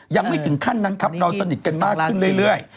ยังไม่ถึงขั้นนั้นครับเราสนิทกันมากขึ้นเรื่อย